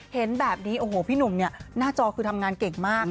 เห็นแบบนี้โอ้โหพี่หนุ่มเนี่ยหน้าจอคือทำงานเก่งมาก